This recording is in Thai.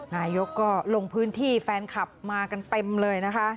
นายกก็ลงพื้นที่แฟนคลับมากันเต็มเลยนะคะ